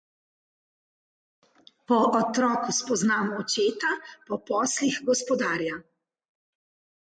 Po otroku spoznamo očeta, po poslih gospodarja.